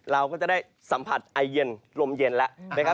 เราก็จะได้สัมผัสไอเย็นลมเย็นแล้วนะครับ